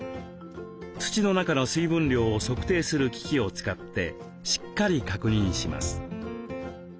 土の中の水分量を測定する機器を使ってしっかり確認します。